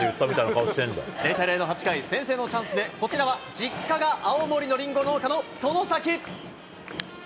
０対０の８回、先制のチャンスで、こちらは実家が青森のりんご農家の外崎。